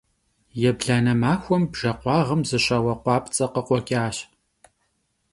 Yêblane maxuem bjje khuağım zı şaue khuapts'e khıkhueç'aş.